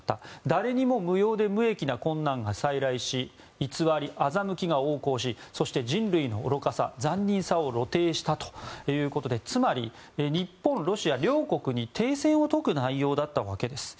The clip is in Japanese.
誰にも無用で無益な困難が再来し偽り、欺きが横行しそして、人類の愚かさ、残忍さを露呈したということでつまり日本、ロシア両国に停戦を説く内容だったわけです。